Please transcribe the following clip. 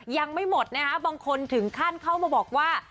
ยังไม่หมดนะคะบางคนถึงขั้นเข้ามาบอกว่า